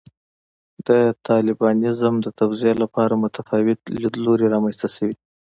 د طالبانیزم د توضیح لپاره متفاوت لیدلوري رامنځته شوي.